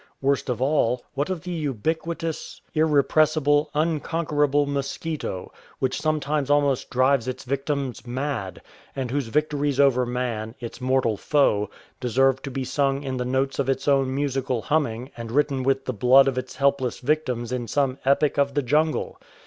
Worst of all, what of the ubiquitous, 235 THE HOUSE IN THE PALM TREE irrepressible, unconquerable mosquito, which sometimes almost drives its victims mad, and whose victories over man, its mortal foe, deserve to be sung in the notes of its own musical humming and written with the blood of its helpless victims in some epic of the jungle